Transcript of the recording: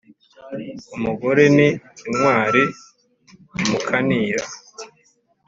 Umugore ni intwari, umukanira